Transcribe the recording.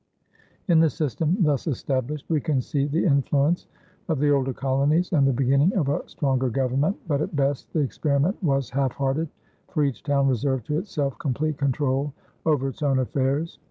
In the system thus established we can see the influence of the older colonies and the beginning of a stronger government, but at best the experiment was half hearted, for each town reserved to itself complete control over its own affairs.